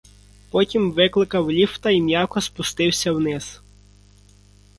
Потім викликав ліфта й м'яко спустився вниз.